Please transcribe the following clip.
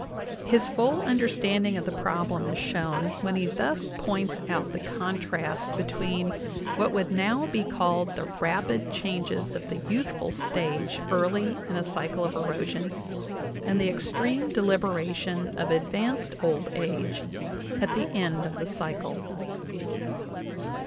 His full understanding of the problem is shown when he thus points out the contrast between what would now be called the rapid changes of the youthful stage early in a cycle of erosion and the extreme deliberation of advanced old age at the end of the cycle.